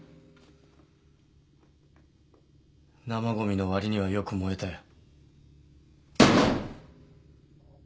生ゴミのわりにはよく燃えたよ。